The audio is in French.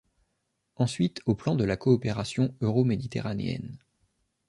Ensuite au plan de la coopération euro-méditerranéenne.